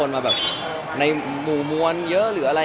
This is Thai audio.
แล้วถ่ายละครมันก็๘๙เดือนอะไรอย่างนี้